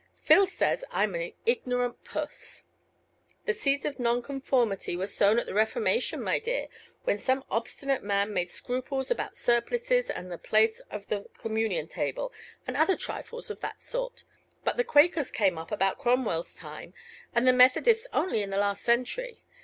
"Phil says I'm an ignorant puss." "The seeds of Nonconformity were sown at the Reformation, my dear, when some obstinate man made scruples about surplices and the place of the communion table, and other trifles of that sort. But the Quakers came up about Cromwell's time, and the Methodists only in the last century.